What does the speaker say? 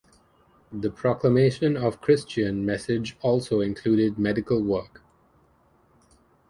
The proclamation of the Christian message also included medical work.